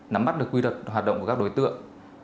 nắm bắt được quy luật hoạt động của các đối tượng